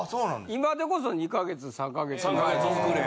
今でこそ２か月３か月遅れ。